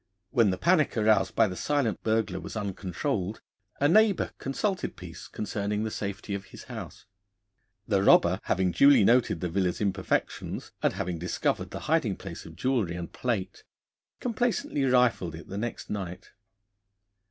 When the panic aroused by the silent burglar was uncontrolled, a neighbour consulted Peace concerning the safety of his house. The robber, having duly noted the villa's imperfections, and having discovered the hiding place of jewellery and plate, complacently rifled it the next night.